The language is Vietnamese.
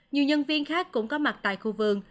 nhiều nhân viên khác cũng có mặt tại khu vườn